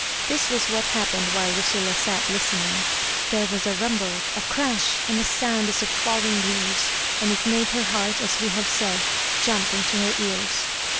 This was what happened while Lucilla sat listening. There was a rumble, a crash, and a sound as of fSaJling leaves, and it made her heart, as we have said, jump into her ears.